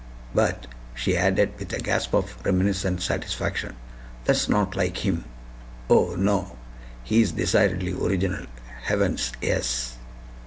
But," she added, with a gasp of reminiscent satisfaction, "that's not like HIM! Oh, no! HE is decidedly original. Heavens! yes."